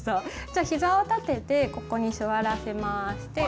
じゃあひざを立ててここに座らせます。